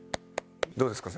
どうですか？